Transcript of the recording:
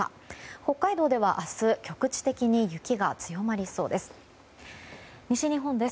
北海道では明日、局地的に雪が強まりそうです。